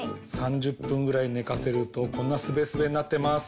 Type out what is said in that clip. ３０ぷんぐらいねかせるとこんなすべすべになってます。